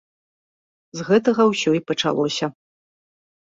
З гэтага ўсё і пачалося.